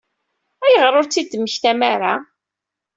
Ayɣer ur t-id-temmektam ara?